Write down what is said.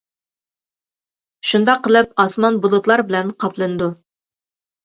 شۇنداق قىلىپ ئاسمان بۇلۇتلار بىلەن قاپلىنىدۇ.